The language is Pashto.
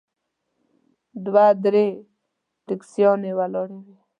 دوه درې ټیکسیانې ولاړې وې.